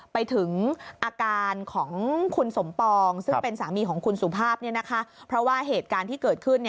เป็นสามีของคุณสุภาพเพราะว่าเหตุการณ์ที่เกิดขึ้น